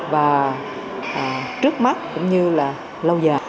và trước mắt cũng như là lâu dài